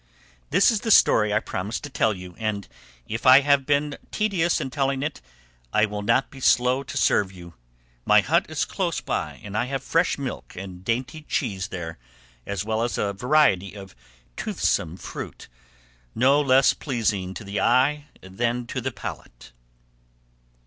This is the story I promised to tell you, and if I have been tedious in telling it, I will not be slow to serve you; my hut is close by, and I have fresh milk and dainty cheese there, as well as a variety of toothsome fruit, no less pleasing to the eye than to the palate.